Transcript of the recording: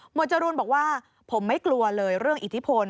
จรูนบอกว่าผมไม่กลัวเลยเรื่องอิทธิพล